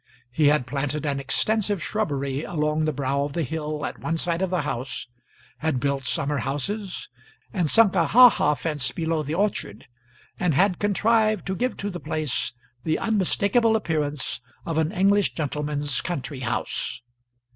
He had planted an extensive shrubbery along the brow of the hill at one side of the house, had built summer houses, and sunk a ha ha fence below the orchard, and had contrived to give to the place the unmistakable appearance of an English gentleman's country house.